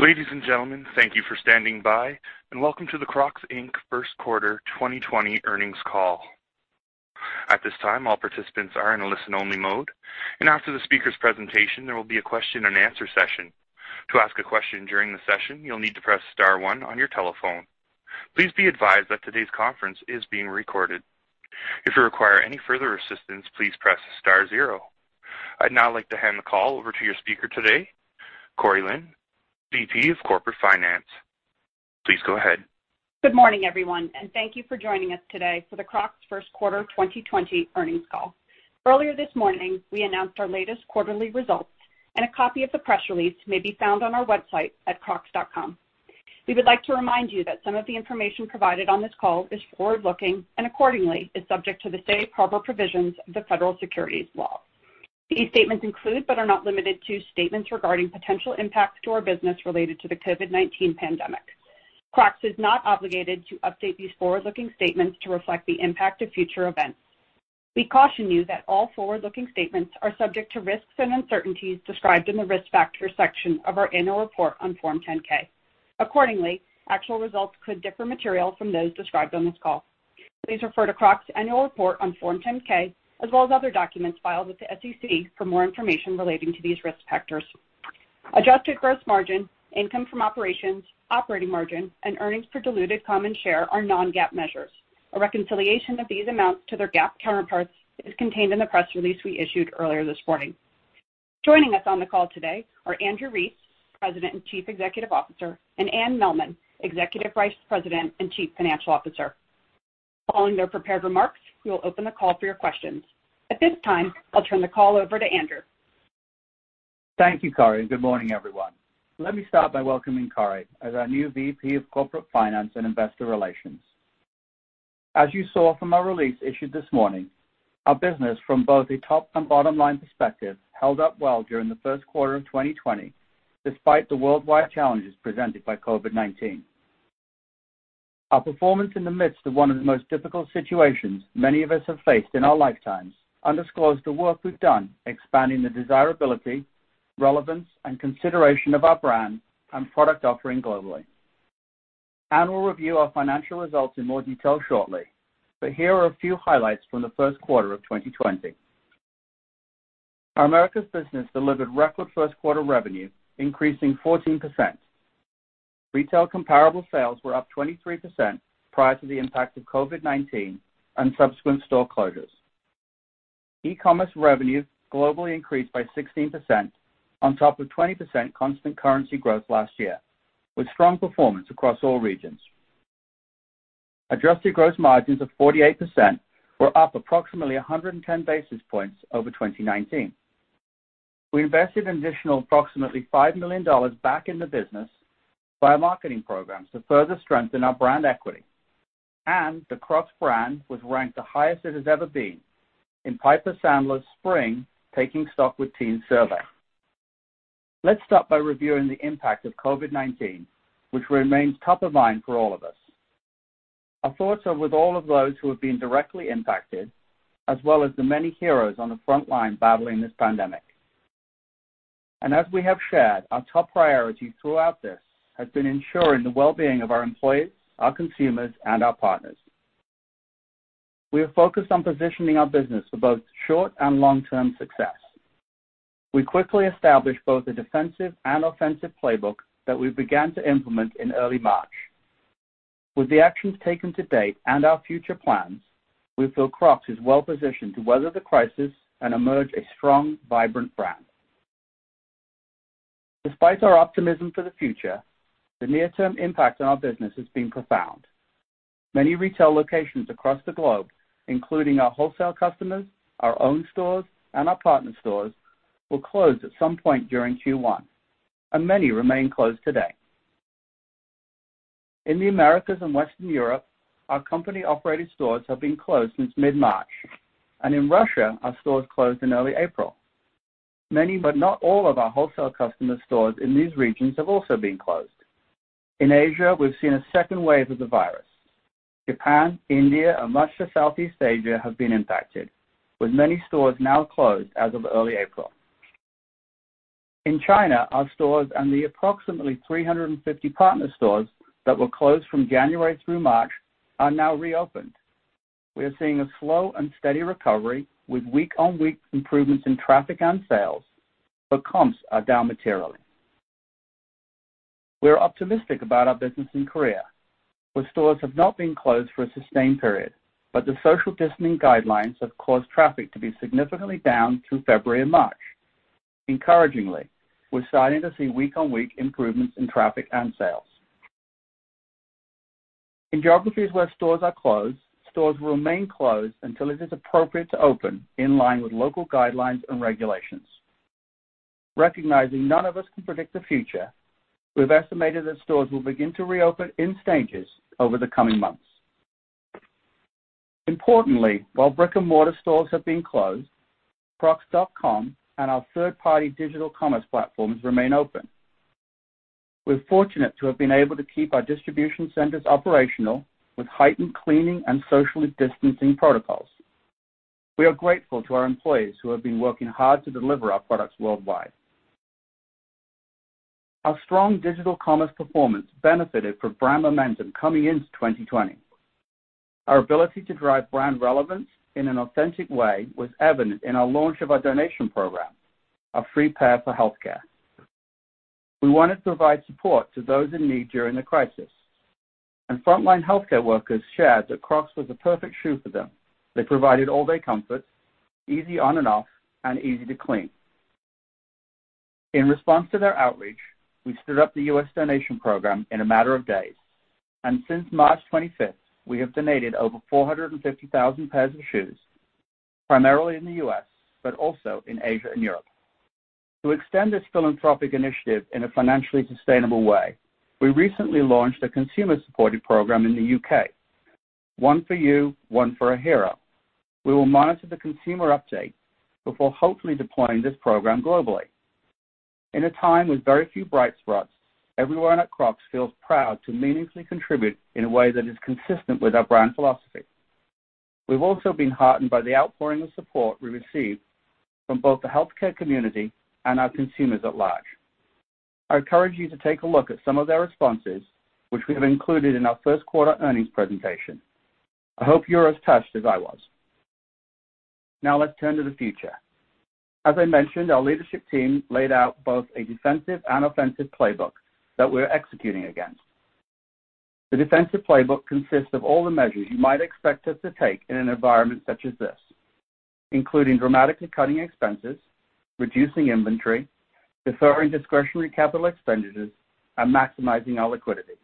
Ladies and gentlemen, thank you for standing by, and welcome to the Crocs, Inc. First Quarter 2020 earnings call. At this time, all participants are in a listen-only mode, and after the speaker's presentation, there will be a question and answer session. To ask a question during the session, you'll need to press star one on your telephone. Please be advised that today's conference is being recorded. If you require any further assistance, please press star zero. I'd now like to hand the call over to your speaker today, Cori Lin, VP of Corporate Finance. Please go ahead. Good morning, everyone, and thank you for joining us today for the Crocs First Quarter 2020 earnings call. Earlier this morning, we announced our latest quarterly results, and a copy of the press release may be found on our website at crocs.com. We would like to remind you that some of the information provided on this call is forward-looking and accordingly is subject to the safe harbor provisions of the Federal Securities Law. These statements include, but are not limited to, statements regarding potential impacts to our business related to the COVID-19 pandemic. Crocs is not obligated to update these forward-looking statements to reflect the impact of future events. We caution you that all forward-looking statements are subject to risks and uncertainties described in the Risk Factors section of our annual report on Form 10-K. Accordingly, actual results could differ materially from those described on this call. Please refer to Crocs Annual Report on Form 10-K as well as other documents filed with the SEC for more information relating to these risk factors. Adjusted gross margin, income from operations, operating margin, and earnings per diluted common share are non-GAAP measures. A reconciliation of these amounts to their GAAP counterparts is contained in the press release we issued earlier this morning. Joining us on the call today are Andrew Rees, President and Chief Executive Officer, and Anne Mehlman, Executive Vice President and Chief Financial Officer. Following their prepared remarks, we will open the call for your questions. At this time, I'll turn the call over to Andrew. Thank you, Cori, and good morning, everyone. Let me start by welcoming Cori as our new VP of Corporate Finance and Investor Relations. As you saw from our release issued this morning, our business from both a top and bottom-line perspective held up well during the first quarter of 2020, despite the worldwide challenges presented by COVID-19. Our performance in the midst of one of the most difficult situations many of us have faced in our lifetimes underscores the work we've done expanding the desirability, relevance, and consideration of our brand and product offering globally. Anne will review our financial results in more detail shortly. Here are a few highlights from the first quarter of 2020. Our Americas business delivered record first quarter revenue, increasing 14%. Retail comparable sales were up 23% prior to the impact of COVID-19 and subsequent store closures. E-commerce revenue globally increased by 16% on top of 20% constant currency growth last year with strong performance across all regions. Adjusted gross margins of 48% were up approximately 110 basis points over 2019. We invested an additional approximately $5 million back in the business via marketing programs to further strengthen our brand equity. The Crocs brand was ranked the highest it has ever been in Piper Sandler's spring Taking Stock with Teens survey. Let's start by reviewing the impact of COVID-19, which remains top of mind for all of us. Our thoughts are with all of those who have been directly impacted, as well as the many heroes on the front line battling this pandemic. As we have shared, our top priority throughout this has been ensuring the well-being of our employees, our consumers, and our partners. We are focused on positioning our business for both short and long-term success. We quickly established both a defensive and offensive playbook that we began to implement in early March. With the actions taken to date and our future plans, we feel Crocs is well positioned to weather the crisis and emerge a strong, vibrant brand. Despite our optimism for the future, the near-term impact on our business has been profound. Many retail locations across the globe, including our wholesale customers, our own stores, and our partner stores, were closed at some point during Q1, and many remain closed today. In the Americas and Western Europe, our company-operated stores have been closed since mid-March. In Russia, our stores closed in early April. Many, but not all of our wholesale customer stores in these regions have also been closed. In Asia, we've seen a second wave of the virus. Japan, India, and much of Southeast Asia have been impacted with many stores now closed as of early April. China, our stores and the approximately 350 partner stores that were closed from January through March are now reopened. We are seeing a slow and steady recovery with week-on-week improvements in traffic and sales, comps are down materially. We are optimistic about our business in Korea, where stores have not been closed for a sustained period, the social distancing guidelines have caused traffic to be significantly down through February and March. Encouragingly, we're starting to see week-on-week improvements in traffic and sales. In geographies where stores are closed, stores will remain closed until it is appropriate to open in line with local guidelines and regulations. Recognizing none of us can predict the future, we've estimated that stores will begin to reopen in stages over the coming months. Importantly, while brick-and-mortar stores have been closed, crocs.com and our third-party digital commerce platforms remain open. We're fortunate to have been able to keep our distribution centers operational with heightened cleaning and socially distancing protocols. We are grateful to our employees who have been working hard to deliver our products worldwide. Our strong digital commerce performance benefited from brand momentum coming into 2020. Our ability to drive brand relevance in an authentic way was evident in our launch of our donation program, A Free Pair for Healthcare. We wanted to provide support to those in need during the crisis. Frontline healthcare workers shared that Crocs was the perfect shoe for them. They provided all-day comfort, easy on and off, and easy to clean. In response to their outreach, we stood up the US donation program in a matter of days. Since March 25th, we have donated over 450,000 pairs of shoes, primarily in the U.S., but also in Asia and Europe. To extend this philanthropic initiative in a financially sustainable way, we recently launched a consumer-supported program in the U.K., One for You, One for a Hero. We will monitor the consumer uptake before hopefully deploying this program globally. In a time with very few bright spots, everyone at Crocs feels proud to meaningfully contribute in a way that is consistent with our brand philosophy. We've also been heartened by the outpouring of support we received from both the healthcare community and our consumers at large. I encourage you to take a look at some of their responses, which we have included in our first quarter earnings presentation. I hope you're as touched as I was. Let's turn to the future. As I mentioned, our leadership team laid out both a defensive and offensive playbook that we're executing against. The defensive playbook consists of all the measures you might expect us to take in an environment such as this, including dramatically cutting expenses, reducing inventory, deferring discretionary capital expenditures, and maximizing our liquidity.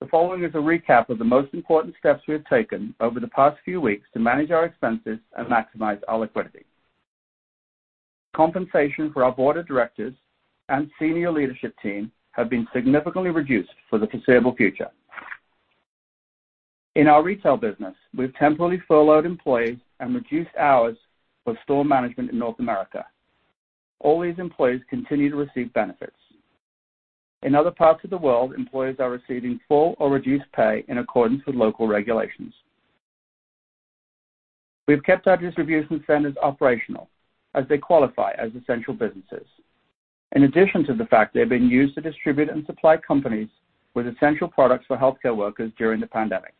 The following is a recap of the most important steps we have taken over the past few weeks to manage our expenses and maximize our liquidity. Compensation for our board of directors and senior leadership team have been significantly reduced for the foreseeable future. In our retail business, we've temporarily furloughed employees and reduced hours for store management in North America. All these employees continue to receive benefits. In other parts of the world, employees are receiving full or reduced pay in accordance with local regulations. We've kept our distribution centers operational as they qualify as essential businesses, in addition to the fact they're being used to distribute and supply companies with essential products for healthcare workers during the pandemic.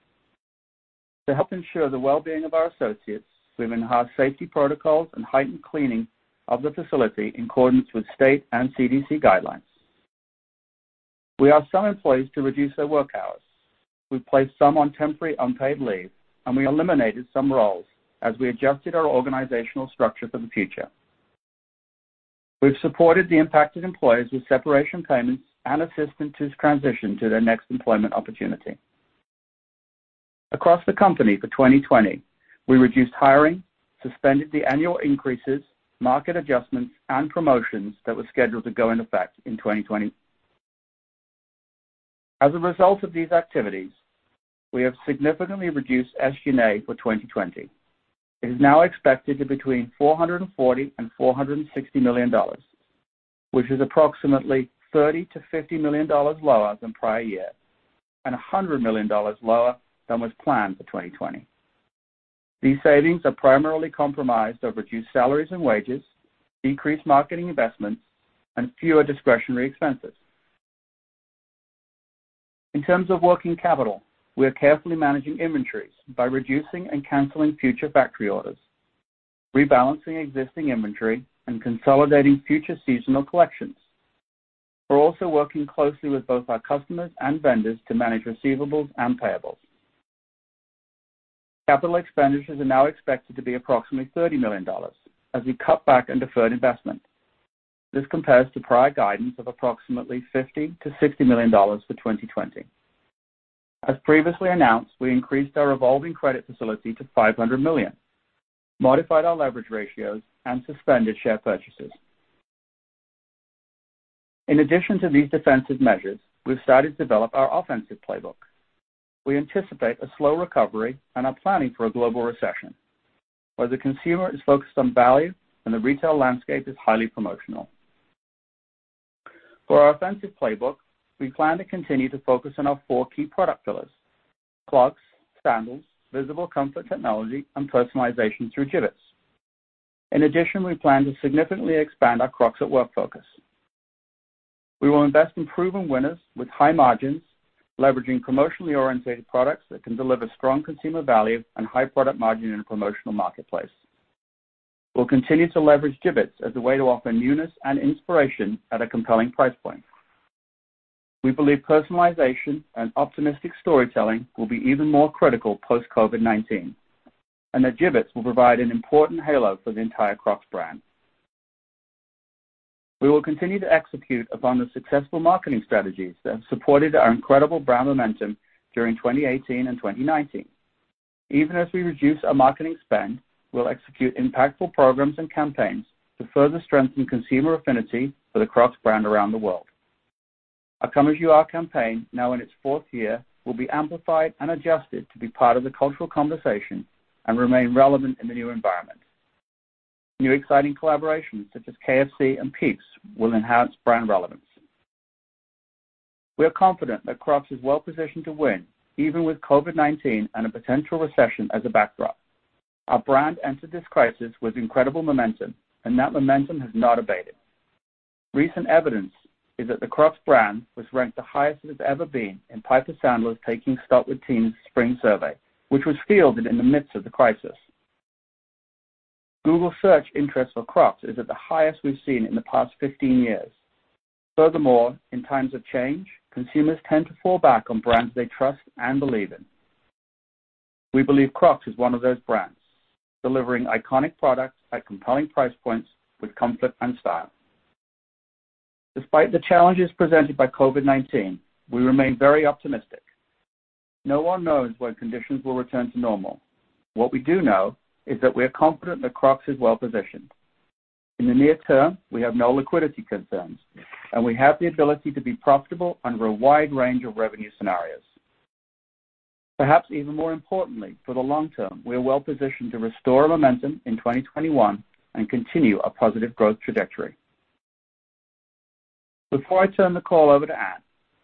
To help ensure the well-being of our associates, we've enhanced safety protocols and heightened cleaning of the facility in accordance with state and CDC guidelines. We asked some employees to reduce their work hours. We placed some on temporary unpaid leave, and we eliminated some roles as we adjusted our organizational structure for the future. We've supported the impacted employees with separation payments and assistance to transition to their next employment opportunity. Across the company for 2020, we reduced hiring, suspended the annual increases, market adjustments, and promotions that were scheduled to go in effect in 2020. As a result of these activities, we have significantly reduced SG&A for 2020. It is now expected to between $440 million and $460 million, which is approximately $30 million-$50 million lower than prior year and $100 million lower than was planned for 2020. These savings are primarily compromised of reduced salaries and wages, decreased marketing investments, and fewer discretionary expenses. In terms of working capital, we are carefully managing inventories by reducing and canceling future factory orders, rebalancing existing inventory, and consolidating future seasonal collections. We're also working closely with both our customers and vendors to manage receivables and payables. Capital expenditures are now expected to be approximately $30 million as we cut back and deferred investment. This compares to prior guidance of approximately $50 million-$60 million for 2020. As previously announced, we increased our revolving credit facility to $500 million, modified our leverage ratios, and suspended share purchases. In addition to these defensive measures, we've started to develop our offensive playbook. We anticipate a slow recovery and are planning for a global recession where the consumer is focused on value and the retail landscape is highly promotional. For our offensive playbook, we plan to continue to focus on our four key product pillars: clogs, sandals, visible comfort technology, and personalization through Jibbitz. In addition, we plan to significantly expand our Crocs at Work focus. We will invest in proven winners with high margins, leveraging promotionally-orientated products that can deliver strong consumer value and high product margin in a promotional marketplace. We'll continue to leverage Jibbitz as a way to offer newness and inspiration at a compelling price point. We believe personalization and optimistic storytelling will be even more critical post-COVID-19, and that Jibbitz will provide an important halo for the entire Crocs brand. We will continue to execute upon the successful marketing strategies that supported our incredible brand momentum during 2018 and 2019. Even as we reduce our marketing spend, we'll execute impactful programs and campaigns to further strengthen consumer affinity for the Crocs brand around the world. Our Come As You Are campaign, now in its fourth year, will be amplified and adjusted to be part of the cultural conversation and remain relevant in the new environment. New exciting collaborations such as KFC and Peeps will enhance brand relevance. We are confident that Crocs is well positioned to win, even with COVID-19 and a potential recession as a backdrop. Our brand entered this crisis with incredible momentum, and that momentum has not abated. Recent evidence is that the Crocs brand was ranked the highest it has ever been in Piper Sandler's Taking Stock with Teens spring survey, which was fielded in the midst of the crisis. Google search interest for Crocs is at the highest we've seen in the past 15 years. Furthermore, in times of change, consumers tend to fall back on brands they trust and believe in. We believe Crocs is one of those brands, delivering iconic products at compelling price points with comfort and style. Despite the challenges presented by COVID-19, we remain very optimistic. No one knows when conditions will return to normal. What we do know is that we are confident that Crocs is well positioned. In the near term, we have no liquidity concerns, and we have the ability to be profitable under a wide range of revenue scenarios. Perhaps even more importantly, for the long term, we are well positioned to restore momentum in 2021 and continue our positive growth trajectory. Before I turn the call over to Anne,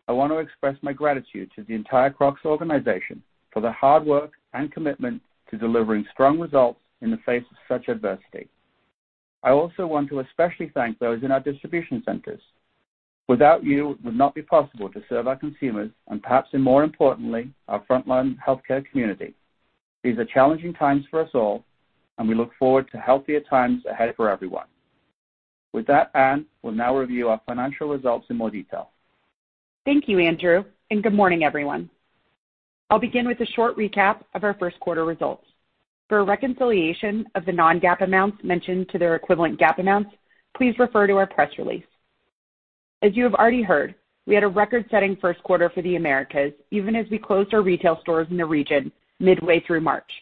I want to express my gratitude to the entire Crocs organization for their hard work and commitment to delivering strong results in the face of such adversity. I also want to especially thank those in our distribution centers. Without you, it would not be possible to serve our consumers and perhaps more importantly, our frontline healthcare community. These are challenging times for us all, and we look forward to healthier times ahead for everyone. With that, Anne will now review our financial results in more detail. Thank you, Andrew, and good morning, everyone. I'll begin with a short recap of our first quarter results. For a reconciliation of the non-GAAP amounts mentioned to their equivalent GAAP amounts, please refer to our press release. As you have already heard, we had a record-setting first quarter for the Americas, even as we closed our retail stores in the region midway through March.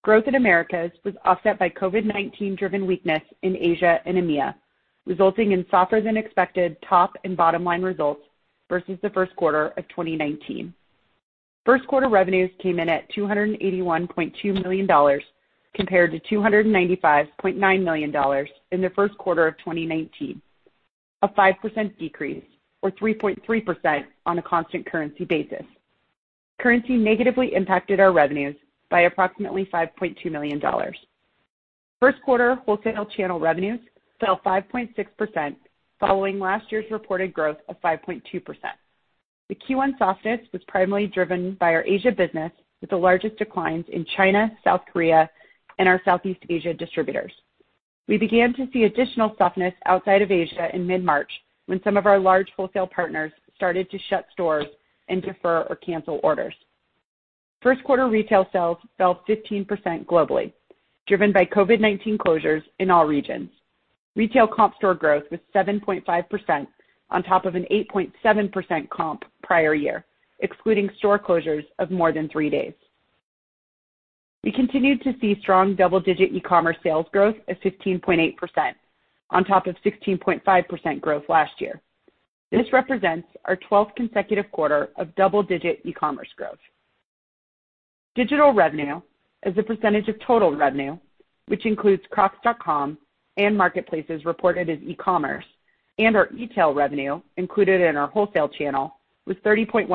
Growth in Americas was offset by COVID-19 driven weakness in Asia and EMEA, resulting in softer than expected top and bottom-line results versus the first quarter of 2019. First quarter revenues came in at $281.2 million compared to $295.9 million in the first quarter of 2019, a 5% decrease or 3.3% on a constant currency basis. Currency negatively impacted our revenues by approximately $5.2 million. First quarter wholesale channel revenues fell 5.6% following last year's reported growth of 5.2%. The Q1 softness was primarily driven by our Asia business, with the largest declines in China, South Korea, and our Southeast Asia distributors. We began to see additional softness outside of Asia in mid-March when some of our large wholesale partners started to shut stores and defer or cancel orders. First quarter retail sales fell 15% globally, driven by COVID-19 closures in all regions. Retail comp store growth was 7.5% on top of an 8.7% comp prior year, excluding store closures of more than three days. We continued to see strong double-digit e-commerce sales growth of 15.8% on top of 16.5% growth last year. This represents our 12th consecutive quarter of double-digit e-commerce growth. Digital revenue as a percentage of total revenue, which includes crocs.com and marketplaces reported as e-commerce and our e-tail revenue included in our wholesale channel was 30.1%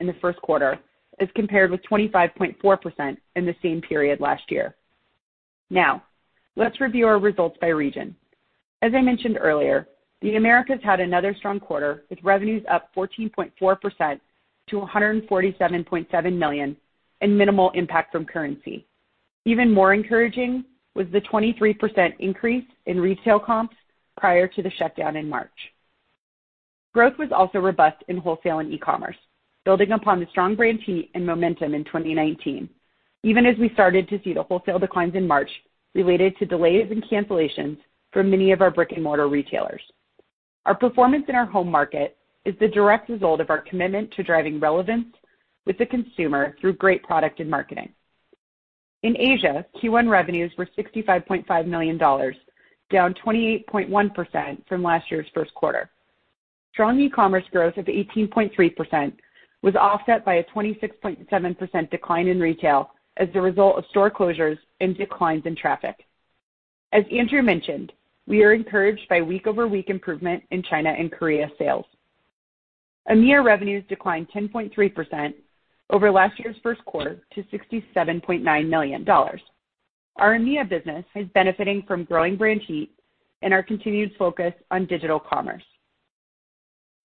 in the first quarter as compared with 25.4% in the same period last year. Let's review our results by region. As I mentioned earlier, the Americas had another strong quarter, with revenues up 14.4% to $147.7 million and minimal impact from currency. Even more encouraging was the 23% increase in retail comps prior to the shutdown in March. Growth was also robust in wholesale and e-commerce, building upon the strong brand heat and momentum in 2019, even as we started to see the wholesale declines in March related to delays and cancellations for many of our brick-and-mortar retailers. Our performance in our home market is the direct result of our commitment to driving relevance with the consumer through great product and marketing. In Asia, Q1 revenues were $65.5 million, down 28.1% from last year's first quarter. Strong e-commerce growth of 18.3% was offset by a 26.7% decline in retail as a result of store closures and declines in traffic. As Andrew mentioned, we are encouraged by week-over-week improvement in China and Korea sales. EMEA revenues declined 10.3% over last year's first quarter to $67.9 million. Our EMEA business is benefiting from growing brand heat and our continued focus on digital commerce.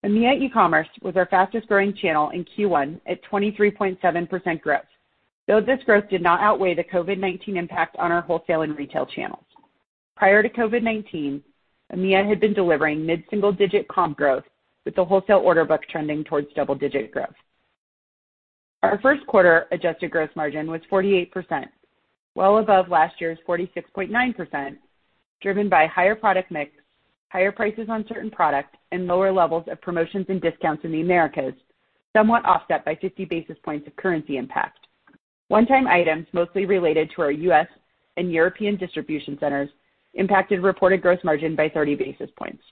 EMEA e-commerce was our fastest growing channel in Q1 at 23.7% growth, though this growth did not outweigh the COVID-19 impact on our wholesale and retail channels. Prior to COVID-19, EMEA had been delivering mid-single-digit comp growth with the wholesale order book trending towards double-digit growth. Our first quarter adjusted gross margin was 48%, well above last year's 46.9%, driven by higher product mix, higher prices on certain products, and lower levels of promotions and discounts in the Americas, somewhat offset by 50 basis points of currency impact. One-time items, mostly related to our US and European distribution centers, impacted reported gross margin by 30 basis points.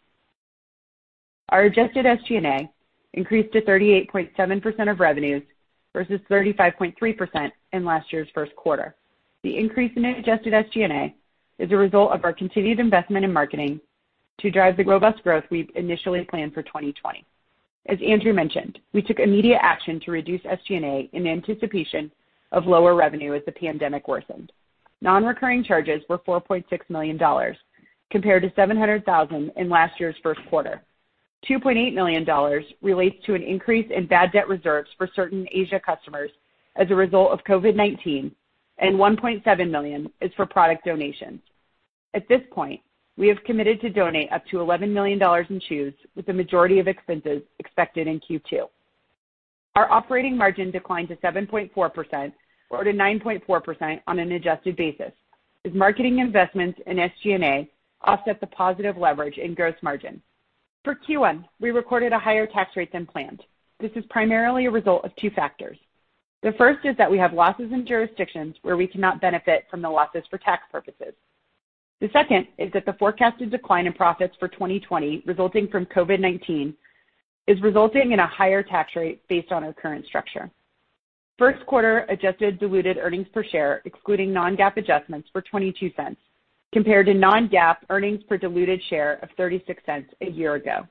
Our adjusted SG&A increased to 38.7% of revenues, versus 35.3% in last year's first quarter. The increase in adjusted SG&A is a result of our continued investment in marketing to drive the robust growth we initially planned for 2020. As Andrew mentioned, we took immediate action to reduce SG&A in anticipation of lower revenue as the pandemic worsened. Non-recurring charges were $4.6 million, compared to $700,000 in last year's first quarter. $2.8 million relates to an increase in bad debt reserves for certain Asia customers as a result of COVID-19. $1.7 million is for product donations. At this point, we have committed to donate up to $11 million in shoes, with the majority of expenses expected in Q2. Our operating margin declined to 7.4%, or to 9.4% on an adjusted basis, as marketing investments in SG&A offset the positive leverage in gross margin. For Q1, we recorded a higher tax rate than planned. This is primarily a result of two factors. The first is that we have losses in jurisdictions where we cannot benefit from the losses for tax purposes. The second is that the forecasted decline in profits for 2020 resulting from COVID-19 is resulting in a higher tax rate based on our current structure. First quarter adjusted diluted earnings per share, excluding non-GAAP adjustments, were $0.22, compared to non-GAAP earnings per diluted share of $0.36 a year ago.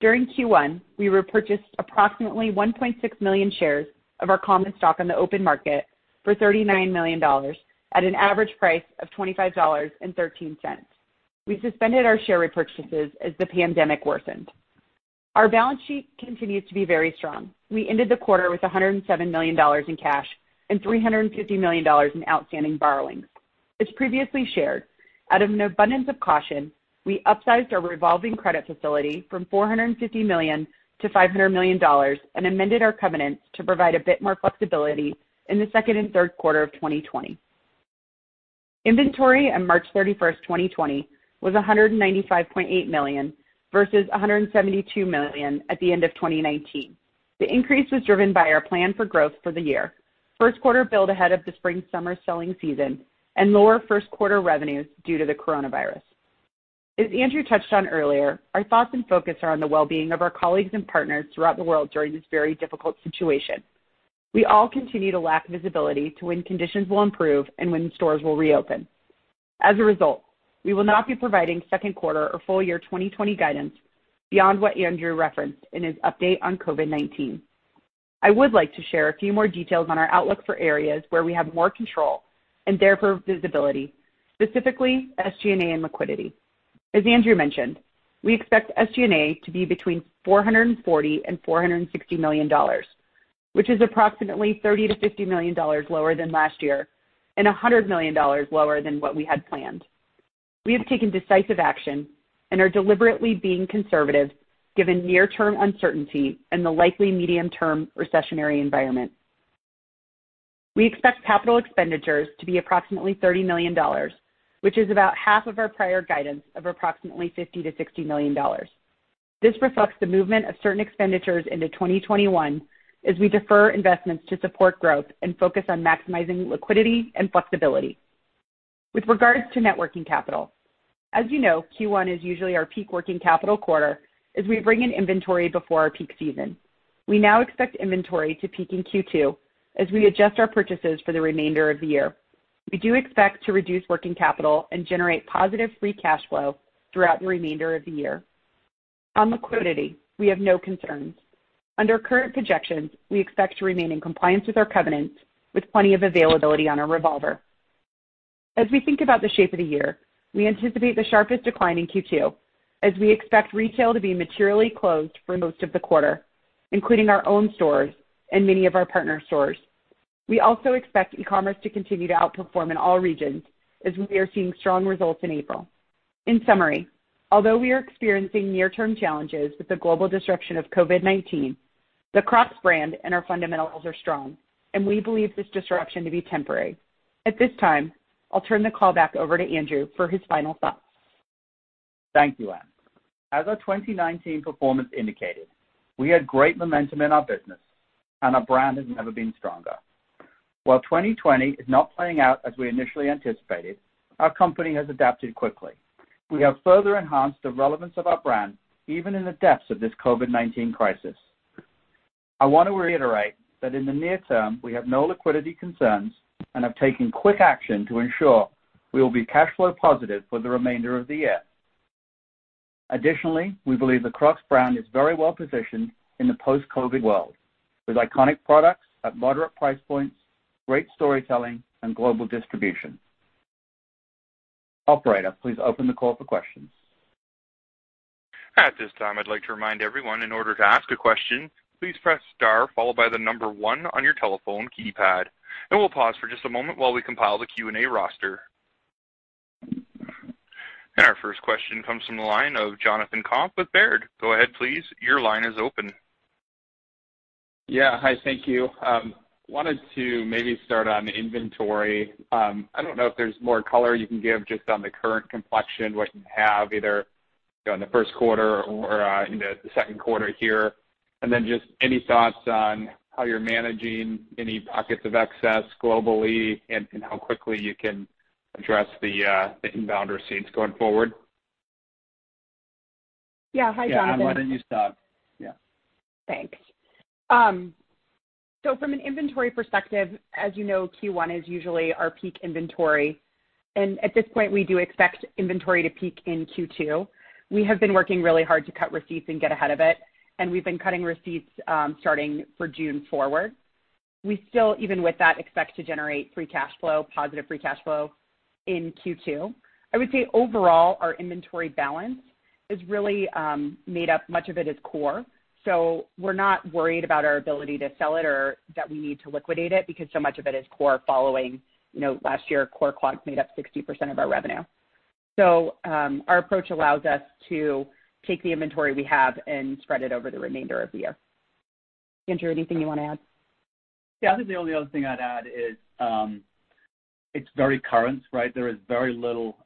During Q1, we repurchased approximately 1.6 million shares of our common stock on the open market for $39 million at an average price of $25.13. We suspended our share repurchases as the pandemic worsened. Our balance sheet continues to be very strong. We ended the quarter with $107 million in cash and $350 million in outstanding borrowings. As previously shared, out of an abundance of caution, we upsized our revolving credit facility from $450 million-$500 million and amended our covenants to provide a bit more flexibility in the second and third quarter of 2020. Inventory on March 31st, 2020, was $195.8 million, versus $172 million at the end of 2019. The increase was driven by our plan for growth for the year, first quarter build ahead of the spring/summer selling season, and lower first quarter revenues due to COVID-19. As Andrew touched on earlier, our thoughts and focus are on the well-being of our colleagues and partners throughout the world during this very difficult situation. We all continue to lack visibility to when conditions will improve and when stores will reopen. As a result, we will not be providing second quarter or full year 2020 guidance beyond what Andrew referenced in his update on COVID-19. I would like to share a few more details on our outlook for areas where we have more control and therefore visibility, specifically SG&A and liquidity. As Andrew mentioned, we expect SG&A to be between $440 million and $460 million, which is approximately $30 million-$50 million lower than last year and $100 million lower than what we had planned. We have taken decisive action and are deliberately being conservative given near-term uncertainty and the likely medium-term recessionary environment. We expect capital expenditures to be approximately $30 million, which is about half of our prior guidance of approximately $50 million-$60 million. This reflects the movement of certain expenditures into 2021 as we defer investments to support growth and focus on maximizing liquidity and flexibility. With regards to net working capital, as you know, Q1 is usually our peak working capital quarter as we bring in inventory before our peak season. We now expect inventory to peak in Q2 as we adjust our purchases for the remainder of the year. We do expect to reduce working capital and generate positive free cash flow throughout the remainder of the year. On liquidity, we have no concerns. Under current projections, we expect to remain in compliance with our covenants with plenty of availability on our revolver. As we think about the shape of the year, we anticipate the sharpest decline in Q2 as we expect retail to be materially closed for most of the quarter, including our own stores and many of our partner stores. We also expect e-commerce to continue to outperform in all regions as we are seeing strong results in April. In summary, although we are experiencing near-term challenges with the global disruption of COVID-19, the Crocs brand and our fundamentals are strong, and we believe this disruption to be temporary. At this time, I'll turn the call back over to Andrew for his final thoughts. Thank you, Anne. As our 2019 performance indicated, we had great momentum in our business and our brand has never been stronger. While 2020 is not playing out as we initially anticipated, our company has adapted quickly. We have further enhanced the relevance of our brand, even in the depths of this COVID-19 crisis. I want to reiterate that in the near term, we have no liquidity concerns and have taken quick action to ensure we will be cash flow positive for the remainder of the year. Additionally, we believe the Crocs brand is very well positioned in the post-COVID world, with iconic products at moderate price points, great storytelling, and global distribution. Operator, please open the call for questions. At this time, I'd like to remind everyone, in order to ask a question, please press star followed by the number one on your telephone keypad, and we'll pause for just a moment while we compile the Q&A roster. Our first question comes from the line of Jonathan Komp with Baird. Go ahead, please. Your line is open. Yeah. Hi, thank you. I wanted to maybe start on inventory. I don't know if there's more color you can give just on the current complexion, what you have either in the first quarter or into the second quarter here. Just any thoughts on how you're managing any pockets of excess globally and how quickly you can address the inbound receipts going forward. Hi, Jonathan. Yeah. Why don't you start? Yeah. Thanks. From an inventory perspective, as you know, Q1 is usually our peak inventory. At this point, we do expect inventory to peak in Q2. We have been working really hard to cut receipts and get ahead of it, and we've been cutting receipts starting for June forward. We still, even with that, expect to generate free cash flow, positive free cash flow in Q2. I would say overall, our inventory balance is really made up, much of it is core. We're not worried about our ability to sell it or that we need to liquidate it because so much of it is core following. Last year, core Crocs made up 60% of our revenue. Our approach allows us to take the inventory we have and spread it over the remainder of the year. Andrew, anything you want to add? I think the only other thing I'd add is it's very current, right? There is very little,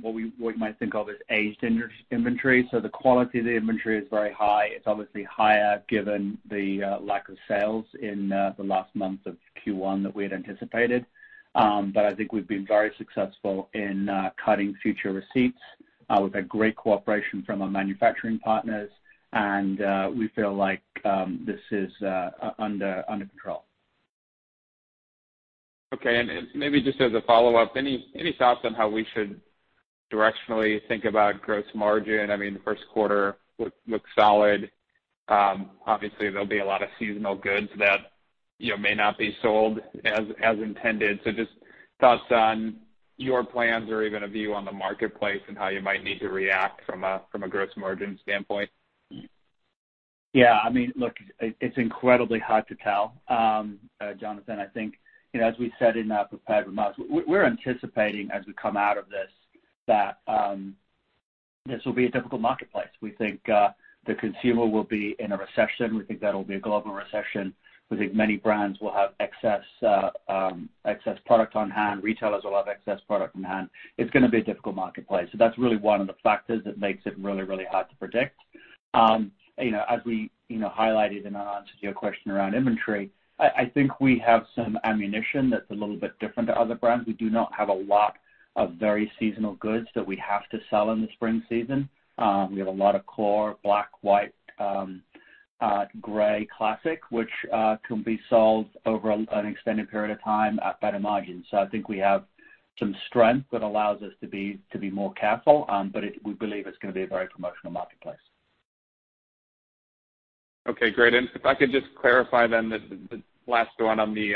what you might think of as aged inventory. The quality of the inventory is very high. It's obviously higher given the lack of sales in the last month of Q1 that we had anticipated. I think we've been very successful in cutting future receipts. We've had great cooperation from our manufacturing partners, and we feel like this is under control. Okay. Maybe just as a follow-up, any thoughts on how we should directionally think about gross margin? I mean, the first quarter looked solid. Obviously, there'll be a lot of seasonal goods that may not be sold as intended. Just thoughts on your plans or even a view on the marketplace and how you might need to react from a gross margin standpoint. Yeah. I mean, look, it's incredibly hard to tell, Jonathan. I think as we said in our prepared remarks, we're anticipating as we come out of this that this will be a difficult marketplace. We think the consumer will be in a recession. We think that'll be a global recession. We think many brands will have excess product on hand. Retailers will have excess product on hand. It's gonna be a difficult marketplace. That's really one of the factors that makes it really, really hard to predict. As we highlighted in our answer to your question around inventory, I think we have some ammunition that's a little bit different to other brands. We do not have a lot of very seasonal goods that we have to sell in the spring season. We have a lot of core, black, white, gray classic, which can be sold over an extended period of time at better margins. I think we have some strength that allows us to be more careful. We believe it's gonna be a very promotional marketplace. Okay, great. If I could just clarify the last one on the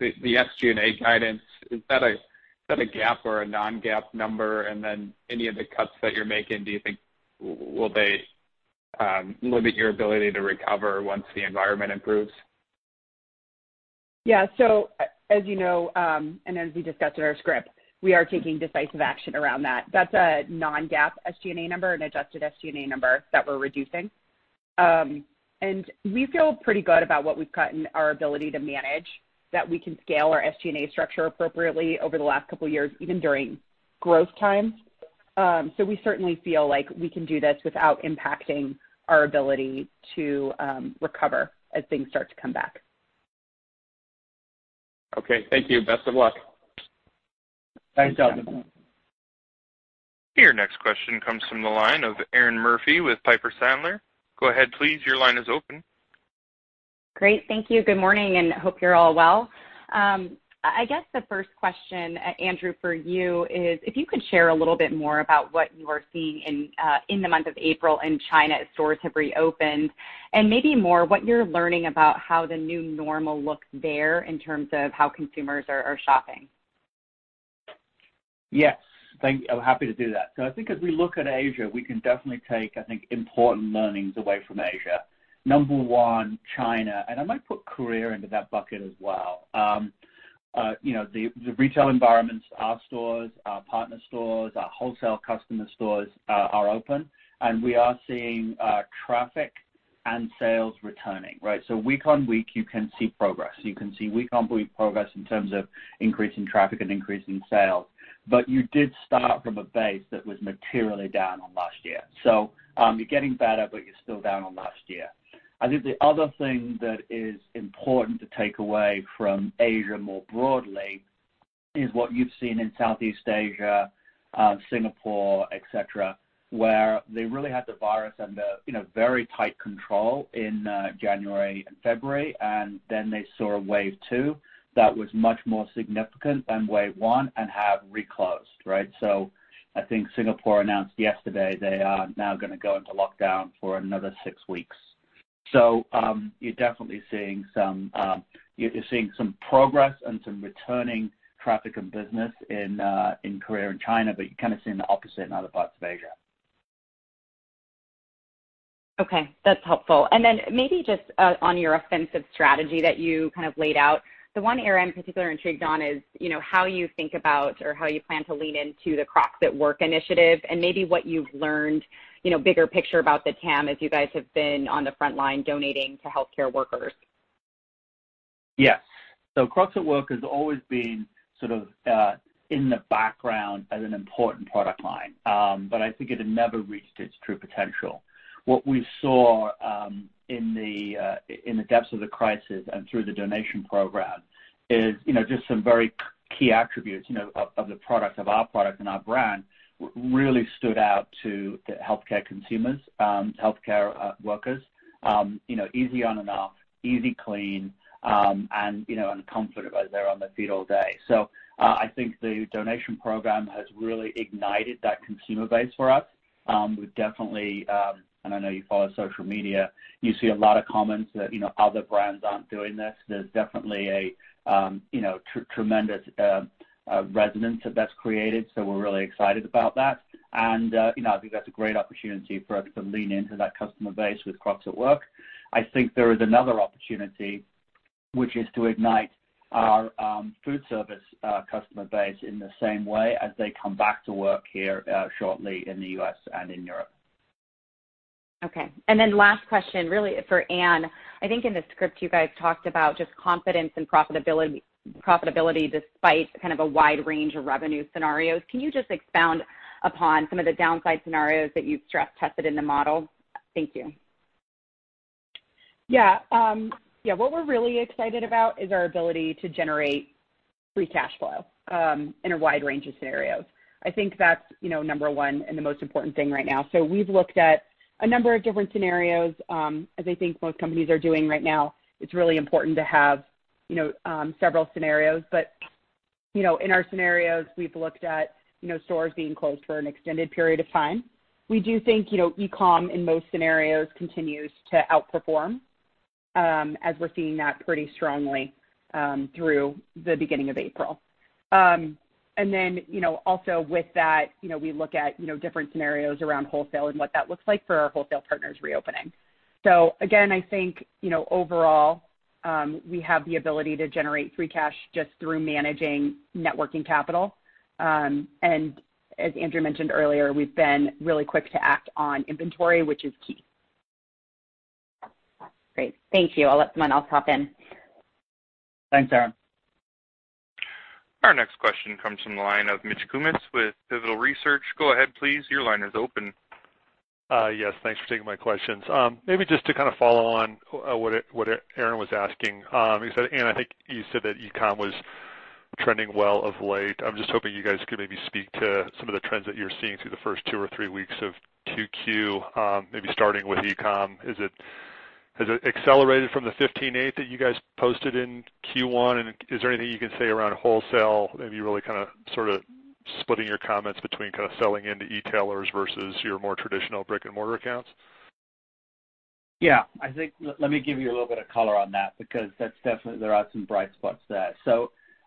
SG&A guidance. Is that a GAAP or a non-GAAP number? Any of the cuts that you're making, do you think will they limit your ability to recover once the environment improves? As you know, and as we discussed in our script, we are taking decisive action around that. That's a non-GAAP SG&A number, an adjusted SG&A number that we're reducing. We feel pretty good about what we've cut and our ability to manage, that we can scale our SG&A structure appropriately over the last couple of years, even during growth times. We certainly feel like we can do this without impacting our ability to recover as things start to come back. Okay. Thank you. Best of luck. Thanks, Jonathan. Your next question comes from the line of Erinn Murphy with Piper Sandler. Go ahead, please. Your line is open. Great. Thank you. Good morning. Hope you're all well. I guess the first question, Andrew, for you is if you could share a little bit more about what you are seeing in the month of April in China as stores have reopened, and maybe more what you're learning about how the new normal looks there in terms of how consumers are shopping? Yes. Thank you. I'm happy to do that. I think as we look at Asia, we can definitely take, I think, important learnings away from Asia. Number one, China, and I might put Korea into that bucket as well. The retail environments, our stores, our partner stores, our wholesale customer stores are open, and we are seeing traffic and sales returning, right? Week on week, you can see progress. You can see week on week progress in terms of increase in traffic and increase in sales. You did start from a base that was materially down on last year. You're getting better, but you're still down on last year. I think the other thing that is important to take away from Asia more broadly is what you've seen in Southeast Asia, Singapore, et cetera, where they really had the virus under very tight control in January and February, and then they saw a wave two that was much more significant than wave one and have reclosed, right? I think Singapore announced yesterday they are now gonna go into lockdown for another six weeks. You're definitely seeing some progress and some returning traffic and business in Korea and China, but you're kind of seeing the opposite in other parts of Asia. Okay. That's helpful. Then maybe just on your offensive strategy that you kind of laid out, the one area I'm particularly intrigued on is how you think about or how you plan to lean into the Crocs at Work initiative and maybe what you've learned, bigger picture about the TAM as you guys have been on the frontline donating to healthcare workers. Yes. Crocs at Work has always been sort of in the background as an important product line. I think it had never reached its true potential. What we saw in the depths of the crisis and through the donation program Just some very key attributes of the product, of our product and our brand, really stood out to the healthcare consumers, healthcare workers. Easy on and off, easy clean, and comfortable as they're on their feet all day. I think the donation program has really ignited that consumer base for us. We've definitely, and I know you follow social media, you see a lot of comments that other brands aren't doing this. There's definitely a tremendous resonance that's created, so we're really excited about that. I think that's a great opportunity for us to lean into that customer base with Crocs at Work. I think there is another opportunity, which is to ignite our food service customer base in the same way as they come back to work here shortly in the U.S., and in Europe. Okay. Last question really for Anne. I think in the script you guys talked about just confidence and profitability despite kind of a wide range of revenue scenarios. Can you just expound upon some of the downside scenarios that you've stress-tested in the model? Thank you. What we're really excited about is our ability to generate free cash flow in a wide range of scenarios. I think that's number one and the most important thing right now. We've looked at a number of different scenarios, as I think most companies are doing right now. It's really important to have several scenarios. In our scenarios, we've looked at stores being closed for an extended period of time. We do think e-com in most scenarios continues to outperform, as we're seeing that pretty strongly through the beginning of April. Then, also with that, we look at different scenarios around wholesale and what that looks like for our wholesale partners reopening. Again, I think, overall, we have the ability to generate free cash just through managing net working capital .As Andrew mentioned earlier, we've been really quick to act on inventory, which is key. Great. Thank you. I'll let someone else hop in. Thanks, Erinn. Our next question comes from the line of Mitch Kummetz with Pivotal Research. Go ahead please. Your line is open. Yes, thanks for taking my questions. Maybe just to kind of follow on what Erinn was asking. You said, Anne, I think you said that e-com was trending well of late. I'm just hoping you guys could maybe speak to some of the trends that you're seeing through the first two or three weeks of 2Q, maybe starting with e-com. Has it accelerated from the 15.8% that you guys posted in Q1, and is there anything you can say around wholesale? Maybe you really kind of splitting your comments between kind of selling into e-tailers versus your more traditional brick and mortar accounts? Yeah, I think let me give you a little bit of color on that because that's definitely, there are some bright spots there.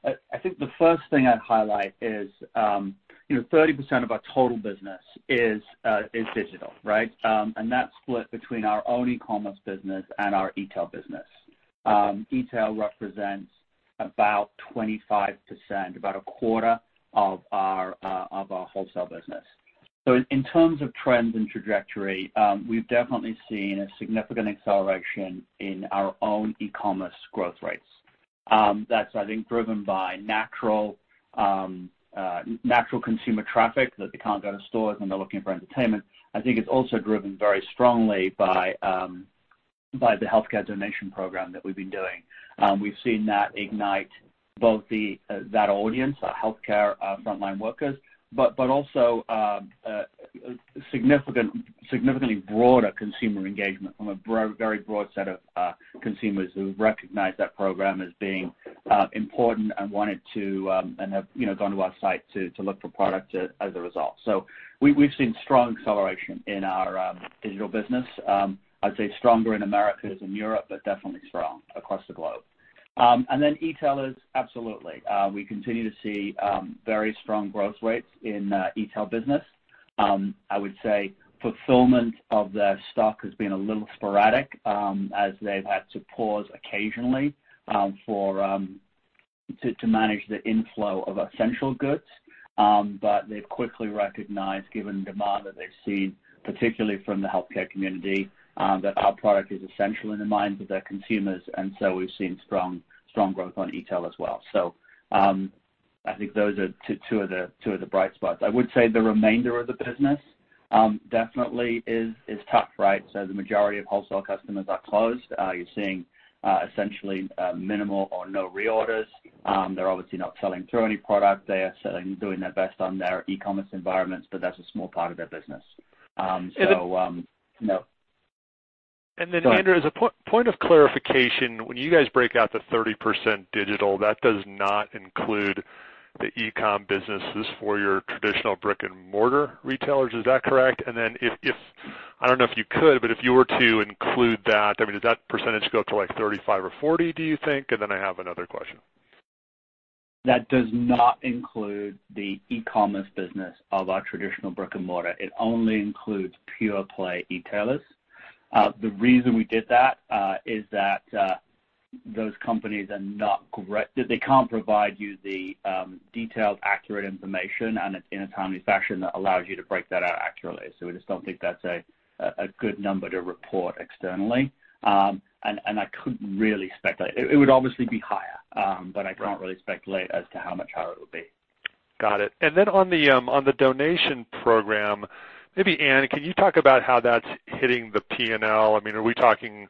I think the first thing I'd highlight is 30% of our total business is digital, right? That's split between our own e-commerce business and our e-tail business. E-tail represents about 25%, about a quarter of our wholesale business. In terms of trends and trajectory, we've definitely seen a significant acceleration in our own e-commerce growth rates. That's, I think, driven by natural consumer traffic, that they can't go to stores and they're looking for entertainment. I think it's also driven very strongly by the healthcare donation program that we've been doing. We've seen that ignite both that audience, our healthcare frontline workers, but also significantly broader consumer engagement from a very broad set of consumers who recognize that program as being important and have gone to our site to look for product as a result. We've seen strong acceleration in our digital business. I'd say stronger in Americas than Europe, but definitely strong across the globe. E-tailers, absolutely. We continue to see very strong growth rates in e-tail business. I would say fulfillment of their stock has been a little sporadic, as they've had to pause occasionally to manage the inflow of essential goods. They've quickly recognized, given demand that they've seen, particularly from the healthcare community, that our product is essential in the minds of their consumers. We've seen strong growth on e-tail as well. I think those are two of the bright spots. I would say the remainder of the business definitely is tough, right? The majority of wholesale customers are closed. You're seeing essentially minimal or no reorders. They're obviously not selling through any product. They are selling, doing their best on their e-commerce environments, but that's a small part of their business. Andrew. Go ahead. As a point of clarification, when you guys break out the 30% digital, that does not include the e-com businesses for your traditional brick and mortar retailers. Is that correct? If, I don't know if you could, but if you were to include that, I mean, does that percentage go to like 35% or 40%, do you think? I have another question. That does not include the e-commerce business of our traditional brick and mortar. It only includes pure play e-tailers. The reason we did that is that those companies are not correct. They can't provide you the detailed, accurate information and in a timely fashion that allows you to break that out accurately. We just don't think that's a good number to report externally. I couldn't really speculate. It would obviously be higher. I can't really speculate as to how much higher it would be. Got it. On the donation program, maybe Anne, can you talk about how that's hitting the P&L? Are we talking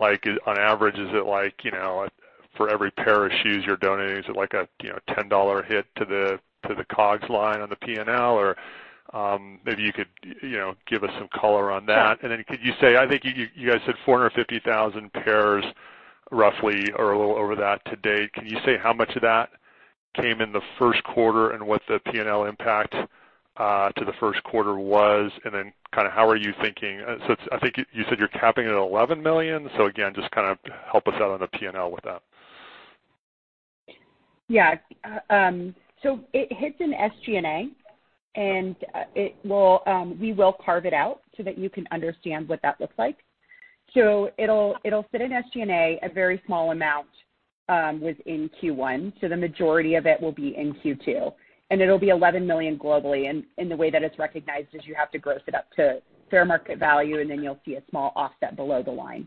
on average, is it for every pair of shoes you're donating, is it a $10 hit to the COGS line on the P&L? Maybe you could give us some color on that? Could you say, I think you guys said 450,000 pairs roughly or a little over that to date. Can you say how much of that came in the first quarter and what the P&L impact to the first quarter was? How are you thinking? So I think you said you're capping it at 11 million. Again, just help us out on the P&L with that. Yeah. It hits in SG&A, and we will carve it out so that you can understand what that looks like. It'll sit in SG&A, a very small amount was in Q1, so the majority of it will be in Q2, and it'll be $11 million globally. The way that it's recognized is you have to gross it up to fair market value, and then you'll see a small offset below the line.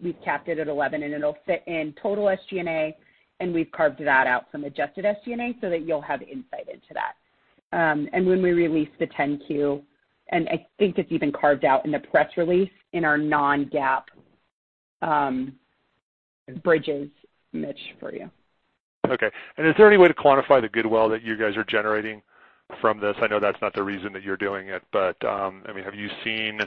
We've capped it at $11 million, and it'll sit in total SG&A, and we've carved that out from adjusted SG&A so that you'll have insight into that. When we release the 10-Q, and I think it's even carved out in the press release in our non-GAAP bridges, Mitch, for you. Okay. Is there any way to quantify the goodwill that you guys are generating from this? I know that's not the reason that you're doing it, have you seen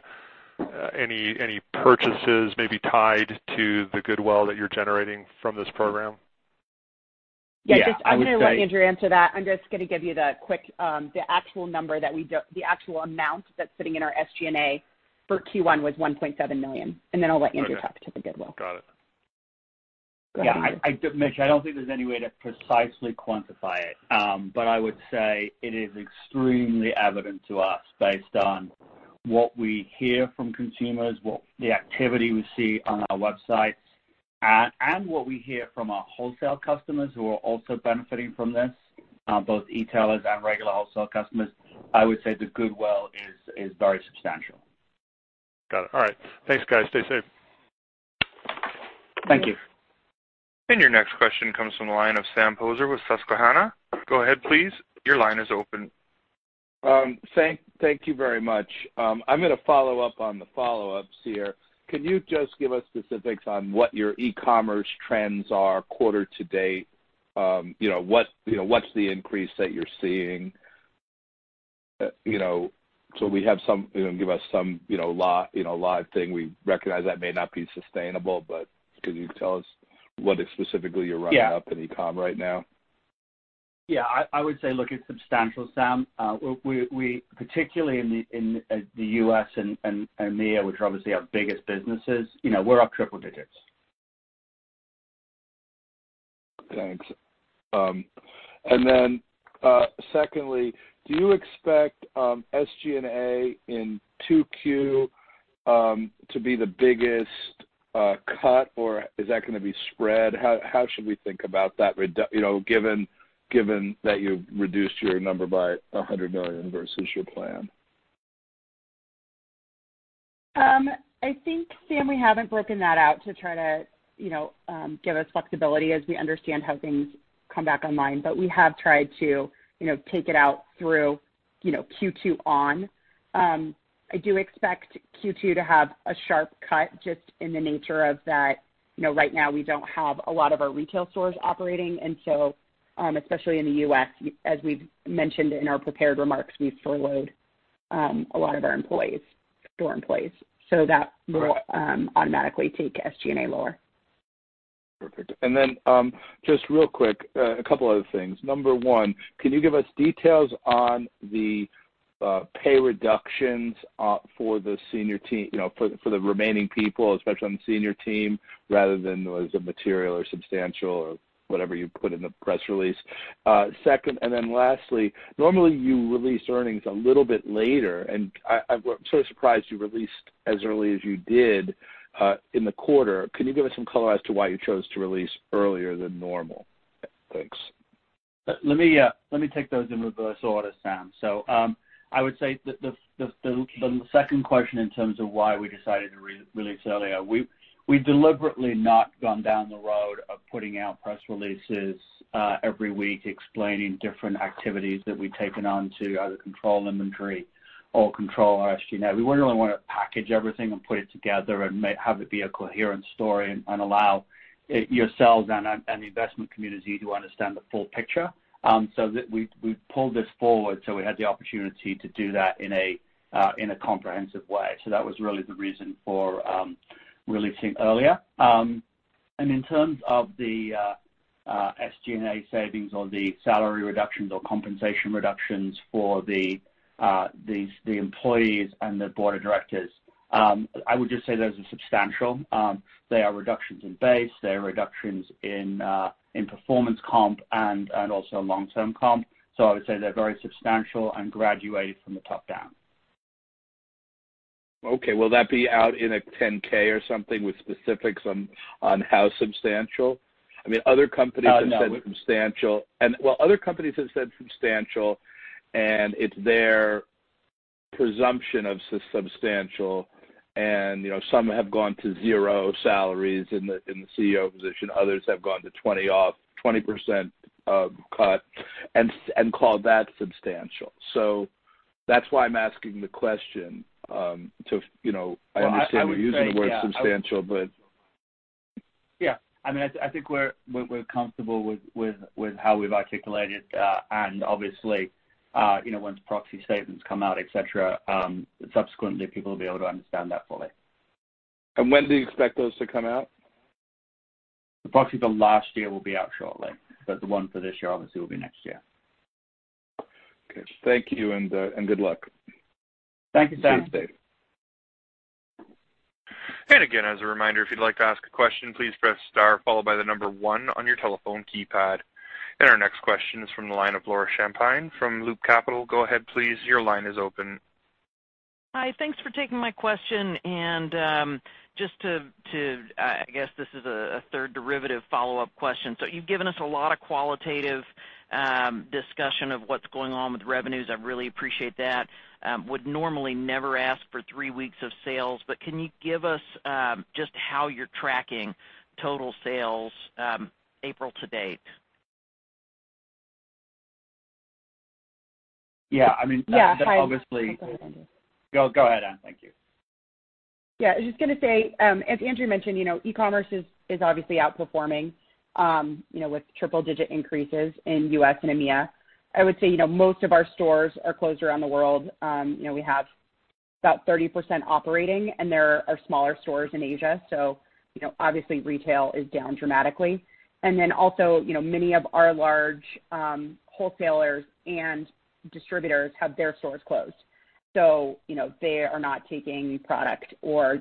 any purchases maybe tied to the goodwill that you're generating from this program? Yeah. Just I'm going to let Andrew answer that. I'm just going to give you the quick, the actual amount that's sitting in our SG&A for Q1 was $1.7 million, and then I'll let Andrew talk to the goodwill. Got it. Go ahead, Andrew. Yeah, Mitch, I don't think there's any way to precisely quantify it. I would say it is extremely evident to us based on what we hear from consumers, what the activity we see on our websites, and what we hear from our wholesale customers who are also benefiting from this, both e-tailers and regular wholesale customers. I would say the goodwill is very substantial. Got it. All right. Thanks, guys. Stay safe. Thank you. Your next question comes from the line of Sam Poser with Susquehanna. Go ahead, please. Your line is open. Thank you very much. I'm going to follow up on the follow-ups here. Can you just give us specifics on what your e-commerce trends are quarter to date? What's the increase that you're seeing? Give us some live thing. We recognize that may not be sustainable, could you tell us what specifically you're running up in e-com right now? Yeah. I would say, look, it's substantial, Sam. Particularly in the U.S., and EMEA, which are obviously our biggest businesses, we're up triple digits. Thanks. Secondly, do you expect SG&A in 2Q to be the biggest cut, or is that going to be spread? How should we think about that given that you've reduced your number by $100 million versus your plan? I think, Sam, we haven't broken that out to try to give us flexibility as we understand how things come back online. We have tried to take it out through Q2 on. I do expect Q2 to have a sharp cut just in the nature of that right now, we don't have a lot of our retail stores operating. Especially in the U.S., as we've mentioned in our prepared remarks, we've furloughed a lot of our store employees. That will automatically take SG&A lower. Perfect. Just real quick, a couple other things. Number one, can you give us details on the pay reductions for the remaining people, especially on the senior team, rather than was it material or substantial or whatever you put in the press release? Second, lastly, normally you release earnings a little bit later, and I'm sort of surprised you released as early as you did in the quarter. Can you give us some color as to why you chose to release earlier than normal? Thanks. Let me take those in reverse order, Sam. I would say the second question in terms of why we decided to release earlier, we've deliberately not gone down the road of putting out press releases every week explaining different activities that we've taken on to either control inventory or control our SG&A. We really want to package everything and put it together and have it be a coherent story and allow yourselves and the investment community to understand the full picture. We pulled this forward so we had the opportunity to do that in a comprehensive way. That was really the reason for releasing earlier. In terms of the SG&A savings or the salary reductions or compensation reductions for the employees and the board of directors, I would just say those are substantial. They are reductions in base, they are reductions in performance comp and also long-term comp. I would say they're very substantial and graduated from the top down. Okay. Will that be out in a 10-K or something with specifics on how substantial? I mean, other companies have said substantial- [No.] Well, other companies have said substantial, and it's their presumption of substantial and some have gone to zero salaries in the CEO position. Others have gone to 20% cut and called that substantial. That's why I'm asking the question. I understand you're using the word substantial. Yeah. I think we're comfortable with how we've articulated and obviously once proxy statements come out, et cetera, subsequently people will be able to understand that fully. When do you expect those to come out? The proxy for last year will be out shortly, but the one for this year obviously will be next year. Okay. Thank you and good luck. Thank you, Sam. [Cheers, Andrew]. As a reminder, if you'd like to ask a question, please press star followed by the number one on your telephone keypad. Our next question is from the line of Laura Champine from Loop Capital. Go ahead, please. Your line is open. Hi, thanks for taking my question. I guess this is a third derivative follow-up question. You've given us a lot of qualitative discussion of what's going on with revenues. I really appreciate that. Would normally never ask for three weeks of sales, but can you give us just how you're tracking total sales April to date? Yeah. Yeah. Obviously- Hi. Go ahead, Anne. Thank you. I was just going to say, as Andrew mentioned, e-commerce is obviously outperforming with triple-digit increases in U.S., and EMEA. I would say most of our stores are closed around the world. We have about 30% operating and there are smaller stores in Asia. Obviously retail is down dramatically. Also, many of our large wholesalers and distributors have their stores closed. They are not taking product or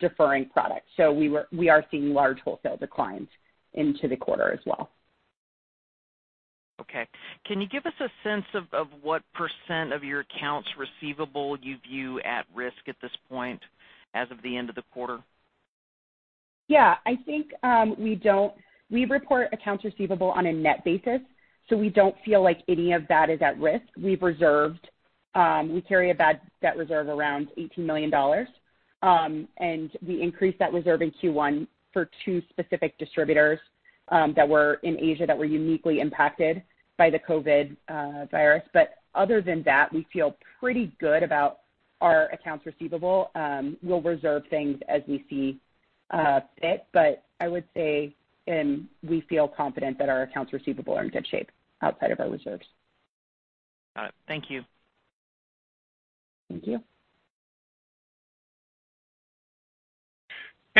deferring product. We are seeing large wholesale declines into the quarter as well. Okay. Can you give us a sense of what percent of your accounts receivable you view at risk at this point as of the end of the quarter? Yeah, I think we report accounts receivable on a net basis, so we don't feel like any of that is at risk. We've reserved. We carry a bad debt reserve around $18 million. We increased that reserve in Q1 for two specific distributors that were in Asia that were uniquely impacted by the COVID virus. Other than that, we feel pretty good about our accounts receivable. We'll reserve things as we see fit, but I would say we feel confident that our accounts receivable are in good shape outside of our reserves. All right. Thank you. Thank you.